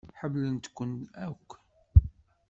Ḥemmlent-kent akk.